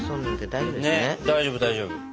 大丈夫大丈夫。